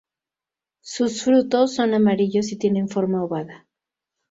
Sus frutos son amarillos y tienen forma ovada.